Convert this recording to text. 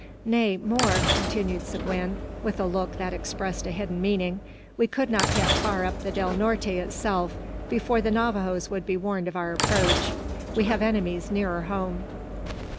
Nay, more," continued Seguin, with a look that expressed a hidden meaning, "we could not get far up the Del Norte itself before the Navajoes would be warned of our approach. We have enemies nearer home."